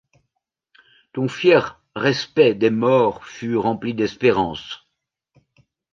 Ton fier respèct des morts fut rempli d'espérance ;